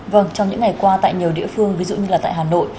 vâng trong những ngày qua tại nhiều địa phương ví dụ như là tại hà nội